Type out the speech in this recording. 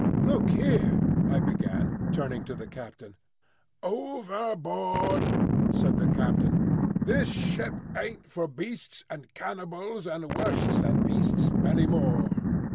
"Look here," I began, turning to the captain. "Overboard!" said the captain. "This ship aint for beasts and cannibals and worse than beasts, any more.